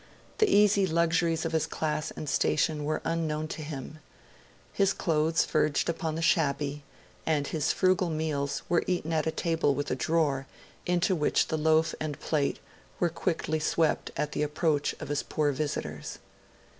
The easy luxuries of his class and station were unknown to him: his clothes verged upon the shabby; and his frugal meals were eaten at a table with a drawer, into which the loaf and plate were quickly swept at the approach of his poor visitors.